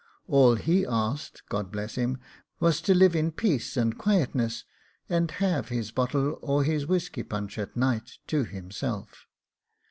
All he asked God bless him! was to live in peace and quietness, and have his bottle or his whisky punch at night to himself.